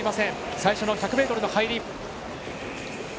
最初の１００ｍの入り。